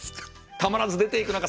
「たまらず出ていくのか